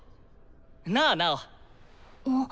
なあナオ！